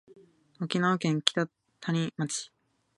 沖縄県北谷町